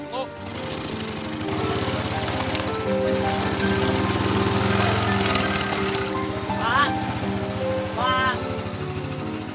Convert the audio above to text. pak pak pak